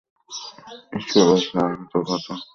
স্কুলের বাচ্চাদের মতো কথা।